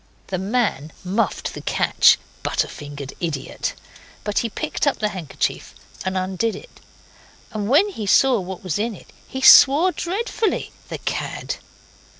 The man muffed the catch butter fingered idiot! but he picked up the handkerchief and undid it, and when he saw what was in it he swore dreadfully. The cad!